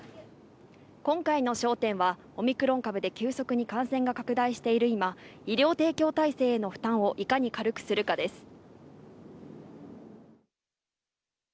今回の焦点はオミクロン株で急速に感染が拡大している今、医療提供体制への負担をいかに軽くするかです。